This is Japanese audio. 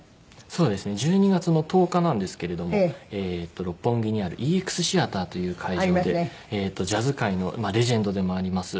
そうですね。１２月の１０日なんですけれども六本木にあるＥＸＴＨＥＡＴＥＲという会場でジャズ界のレジェンドでもあります